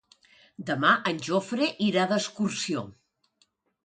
Demà en Jofre irà d'excursió.